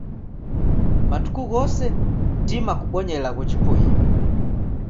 Matuku ghose, tima kubonya ilagho jipoiye.